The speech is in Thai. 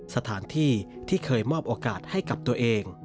สถานที่ที่เคยมอบโอกาสให้กับตัวเอง